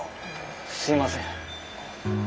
すいません。